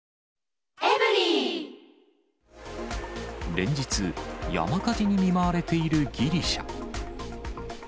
連日、山火事に見舞われているギリシャ。